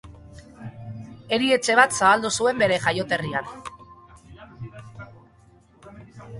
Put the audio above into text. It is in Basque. Erietxe bat zabaldu zuen bere jaioterrian.